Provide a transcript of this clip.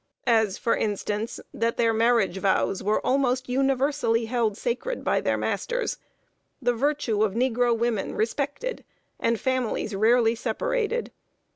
As, for instance, that their marriage vows were almost universally held sacred by the masters; the virtue of negro women respected, and families rarely separated.